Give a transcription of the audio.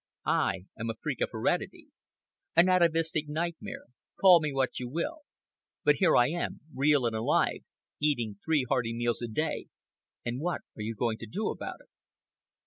I am a freak of heredity, an atavistic nightmare—call me what you will; but here I am, real and alive, eating three hearty meals a day, and what are you going to do about it?